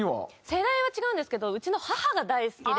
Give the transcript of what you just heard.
世代は違うんですけどうちの母が大好きで。